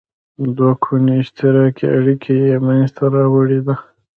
دوه ګوني اشتراکي اړیکه یې مینځته راوړې ده.